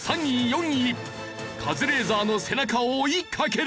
カズレーザーの背中を追いかける。